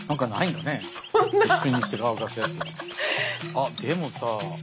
あっでもさ。